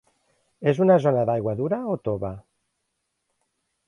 És una zona d'aigua dura o tova?